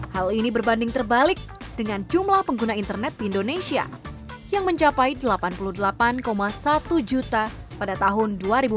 hal ini berbanding terbalik dengan jumlah pengguna internet di indonesia yang mencapai delapan puluh delapan satu juta pada tahun dua ribu dua puluh